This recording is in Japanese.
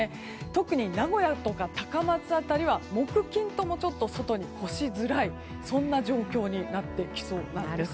特に名古屋とか高松辺りは木金ともちょっと外に干しづらい状況になってきそうなんです。